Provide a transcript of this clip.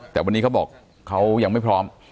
แต่วันนี้เขาบอกเขายังไม่พร้อม